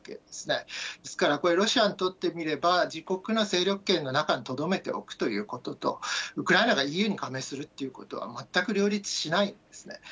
ですから、これ、ロシアにとってみれば、自国の勢力圏の中にとどめておくということと、ウクライナがＥＵに加盟するっていうことは、全く両立しないんですね。